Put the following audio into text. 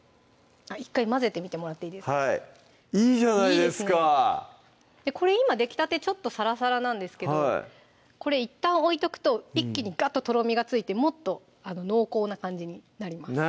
１回混ぜてみてもらっていいですかいいじゃないですかこれ今できたてちょっとさらさらなんですけどこれいったん置いとくと一気にがっととろみがついてもっと濃厚な感じになります